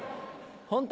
ホント？